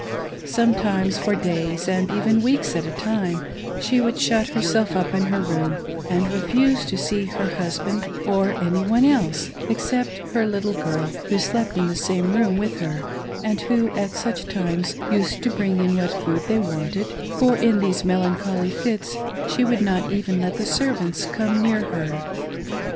Sometimes, for days and even weeks at a time, she would shut herself up in her room and refuse to see her husband or any one else, except her little girl, who slept in the same room with her, and who at such times used to bring in what food they wanted ; for in these melancholy fits she would not even let the servants come near her.